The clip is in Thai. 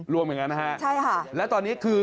รวมอย่างนั้นนะฮะใช่ค่ะแล้วตอนนี้คือ